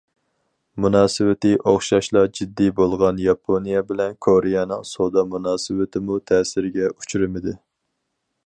مۇناسىۋىتى ئوخشاشلا جىددىي بولغان ياپونىيە بىلەن كورېيەنىڭ سودا مۇناسىۋىتىمۇ تەسىرگە ئۇچرىمىدى.